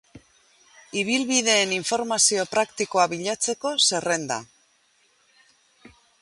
Ibilbideen informazio praktikoa bilatzeko zerrenda.